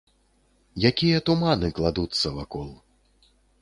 Якія туманы кладуцца вакол!